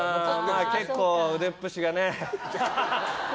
結構、腕っぷしがね。